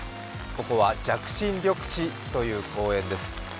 ここは寂心緑地という公園です。